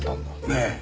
ええ。